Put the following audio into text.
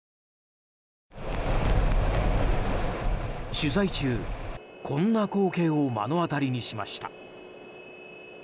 取材中、こんな光景を目の当たりにしました。